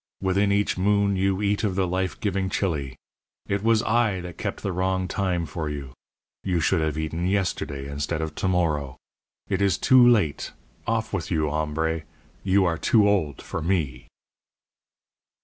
Within each moon you eat of the life giving chili. It was I that kept the wrong time for you. You should have eaten yesterday instead of to morrow. It is too late. Off with you, hombre! You are too old for me!"